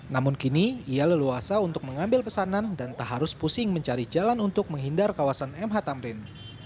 namun kini ia leluasa untuk mengambil pesanan dan tak harus pusing mencari jalan untuk menghindar kawasan mh tamrin